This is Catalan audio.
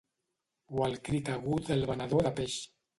O el crit agut del venedor de peix.